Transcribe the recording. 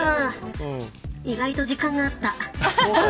意外と時間があった。